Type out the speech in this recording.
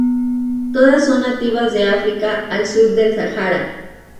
Todas son nativas de África, al sur del Sahara.